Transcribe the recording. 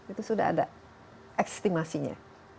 itu sudah ada ekstimasinya